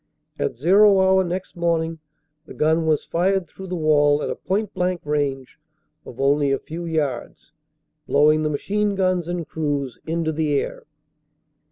At "zero" hour next morning the gun was fired through the wall at a point blank range of only a few yards, blowing the machine guns and crews into the air.